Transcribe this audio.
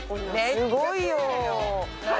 すごいよ。